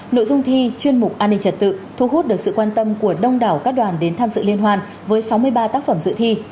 nội dung thi chuyên mục an ninh trật tự thu hút được sự quan tâm của đông đảo các đoàn đến tham dự liên hoan với sáu mươi ba tác phẩm dự thi